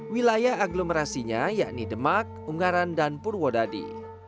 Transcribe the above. wilayah aglomerasinya yakni demak ungaran dan purwodadi